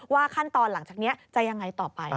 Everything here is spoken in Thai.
ขั้นตอนหลังจากนี้จะยังไงต่อไป